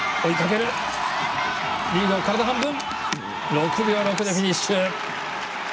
６秒６でフィニッシュ。